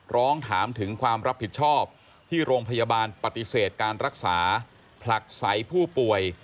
ร้องถามถึงความรับผิดชอบที่โรงพยาบาลปฏิเสธการรักษาผลักใสผู้ป่วย